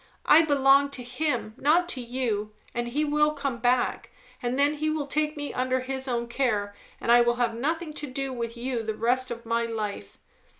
I belong to him, not to you; and he will come back, and then he will take me under his own care, and I will have nothing to do with you the rest of my life.